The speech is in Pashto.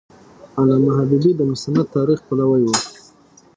علامه حبیبي د مستند تاریخ پلوی و.